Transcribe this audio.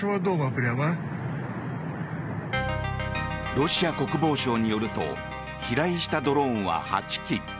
ロシア国防省によると飛来したドローンは８機。